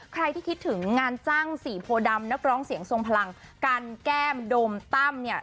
ใครที่คิดถึงงานจ้างสี่โพดำนักร้องเสียงทรงพลังการแก้มโดมตั้มเนี่ย